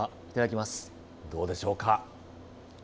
どうでしょうか。